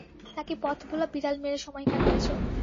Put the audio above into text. নাকি পথভোলা বিড়াল মেরে সময় কাটাচ্ছ?